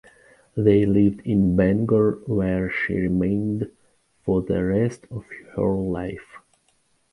They lived in Bangor where she remained for the rest of her life.